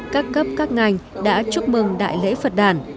các cấp các ngành đã chúc mừng đại lễ phật đàn